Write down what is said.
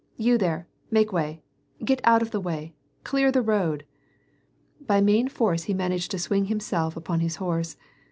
" You there ! make way, get out of the way ! Clear the road !" By main force he managed to swing himself upon his horse.